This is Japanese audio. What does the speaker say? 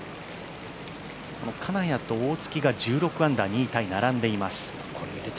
この金谷と大槻が１６アンダー２位タイ並んでいます。